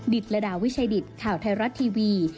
ดิดระดาววิชัยดิดข่าวไทยรัตน์ทีวี